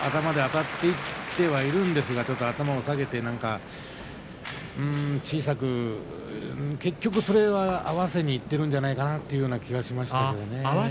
頭であたっていってはいるんですけれど頭を下げて小さく結局それは合わせにいっているんじゃないかなというような気がしますね。